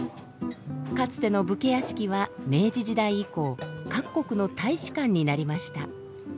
かつての武家屋敷は明治時代以降各国の大使館になりました。